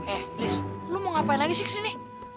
eh liz lo mau ngapain lagi sih kesini